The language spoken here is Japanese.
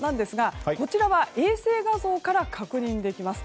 こちらは衛星画像から確認できます。